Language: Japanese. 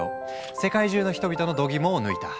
世界中の人々のどぎもを抜いた。